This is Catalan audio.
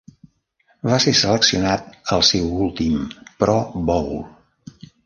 Va ser seleccionat al seu últim Pro Bowl.